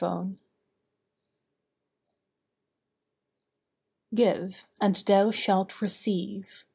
GIVE Give, and thou shalt receive.